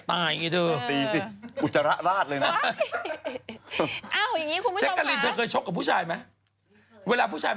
ไม่มีแฟนแต่ชอบกินเด็กฝึกงาน